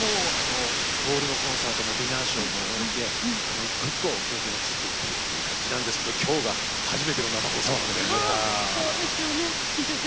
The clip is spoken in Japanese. ホールのコンサートもディナーショーも終えて一個一個経験を積んでいってる感じなんですけど今日が初めての生放送なんですけど。